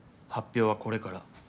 発表はこれから。